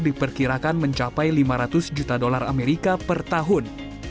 diperkirakan mencapai lima ratus juta dolar amerika per tahun